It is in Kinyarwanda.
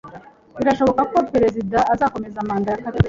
Birashoboka ko perezida azakomeza manda ya kabiri.